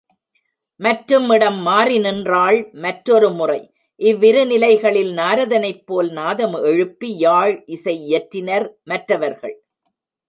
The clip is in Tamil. மற்றும் இடம் மாறிநின்றாள் மற்றொரு முறை இவ்விருநிலைகளில் நாரதனைப் போல நாதம் எழுப்பி யாழ் இசை இயற்றினர் மற்றவர்கள்.